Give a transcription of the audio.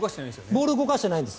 ボールを動かしてないんです。